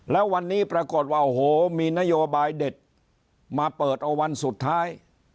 แล้ววันนี้ปรากฏว่าโอ้โหมีนโยบายเด็ดมาเปิดเอาวันสุดท้าย